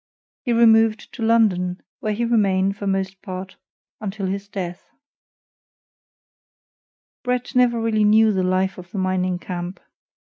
He removed to London where he remained, for most part, until his death. Bret Harte never really knew the life of the mining camp.